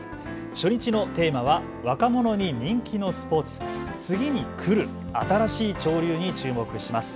初日のテーマは若者に人気のスポーツ、次に来る新しい潮流に注目します。